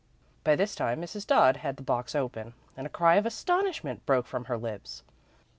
By this time, Mrs. Dodd had the box open, and a cry of astonishment broke from her lips.